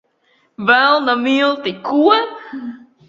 Velna milti! Ko?